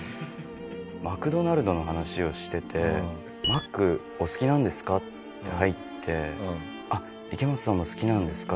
マクドナルドの話をしてて「マックお好きなんですか？」って入って「あっ池松さんもお好きなんですか？」